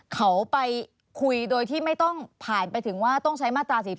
เขาไปคุยโดยที่ไม่ต้องผ่านไปถึงว่าต้องใช้มาตรา๔๔